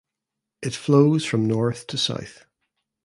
It flows from north to south.